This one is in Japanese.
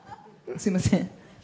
すみません。